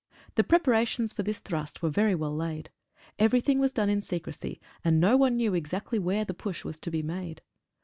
The preparations for this thrust were very well laid. Everything was done in secrecy, and no one knew exactly where the push was to be made.